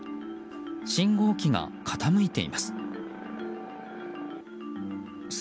信号機が傾いています。